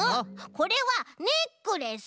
これはネックレス！